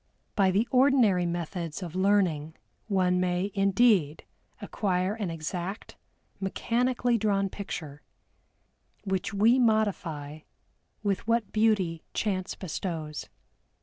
By the ordinary methods of learning one may indeed acquire an exact, mechanically drawn picture, which we modify with what beauty chance bestows.